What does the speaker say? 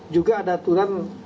juga ada aturan